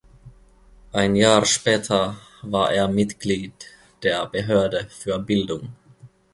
Ein Jahr später war er Mitglied der Behörde für Bildung.